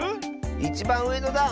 いちばんうえのだん！